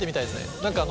何かあの。